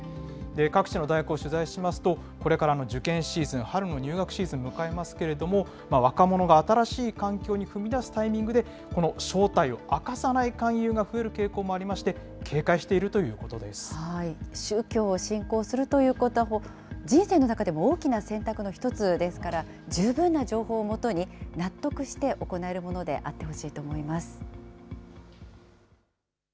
各地の大学を取材しますと、これからの受験シーズン、春の入学シーズン迎えますけれども、若者が新しい環境に踏み出すタイミングで、この正体を明かさない勧誘が増える傾向もありまして、警戒し宗教を信仰するということは、人生の中でも大きな選択の一つですから、十分な情報をもとに、納得して行えるものであってほしいと思います。